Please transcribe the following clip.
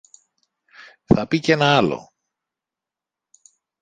Θα πει κι ένα άλλο